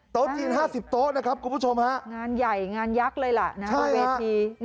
จีน๕๐โต๊ะนะครับคุณผู้ชมฮะงานใหญ่งานยักษ์เลยล่ะนะบนเวที